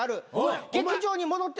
劇場に戻って。